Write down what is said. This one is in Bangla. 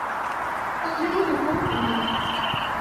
পাহাড়ের উপর উড়ি।